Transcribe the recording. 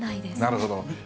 なるほど。